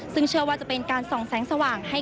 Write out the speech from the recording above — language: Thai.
ซึ่งเชื่อว่าจะเป็นการส่องแสงสว่างให้